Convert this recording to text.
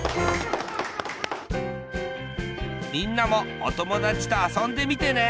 みんなもおともだちとあそんでみてね！